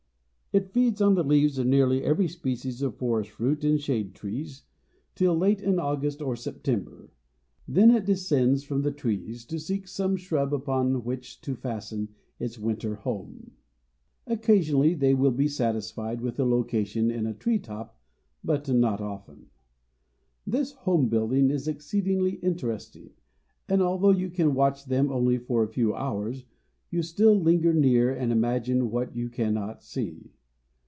It feeds on the leaves of nearly every species of forest fruit and shade trees, till late in August or September; then it descends from the trees to seek some shrub upon which to fasten its winter home. Occasionally they will be satisfied with a location in a tree top, but not often. This home building is exceedingly interesting, and although you can watch them only for a few hours you still linger near and imagine what you cannot see.